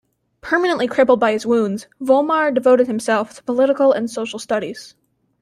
Permanently crippled by his wounds, Vollmar devoted himself to political and social studies.